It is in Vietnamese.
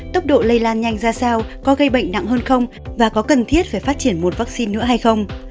tốc độ lây lan nhanh ra sao có gây bệnh nặng hơn không và có cần thiết phải phát triển một vaccine nữa hay không